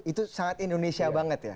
itu sangat indonesia banget ya